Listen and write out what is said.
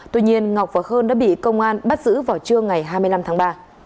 tuy nhiên ngọc và khương đã bị công an bắt giữ vào trưa ngày hai mươi năm tháng ba